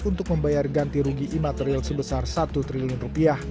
untuk membayar ganti rugi imaterial sebesar satu triliun rupiah